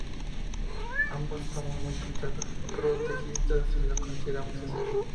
Ambos somos muy progresistas y nos consideramos así.